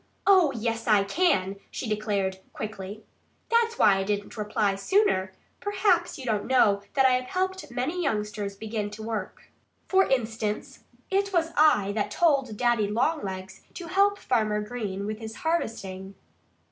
"Oh, yes, I can!" she declared quickly. "I was thinking. That's why I didn't reply sooner. Probably you don't know that I have helped many youngsters to begin to work. For instance, it was I that told Daddy Longlegs to help Farmer Green with his harvesting."